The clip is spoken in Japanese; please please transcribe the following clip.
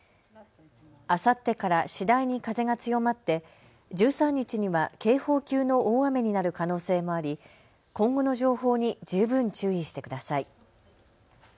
あさってから次第に風が強まって１３日日には警報級の大雨になる可能性もあり今後の情報に十分注意してください。